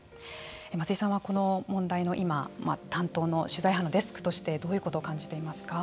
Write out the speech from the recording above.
松井さんはこの問題の担当の取材班のデスクとしてどういうことを感じていますか。